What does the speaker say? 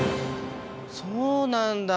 そうなんだ。